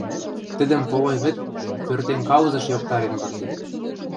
Тӹдӹм полой вӹд пӧртем каузыш йоктарен пыртен...